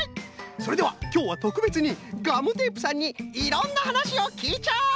それではきょうはとくべつにガムテープさんにいろんなはなしをきいちゃおう！